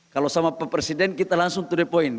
kalau sama pempresiden kita langsung to the point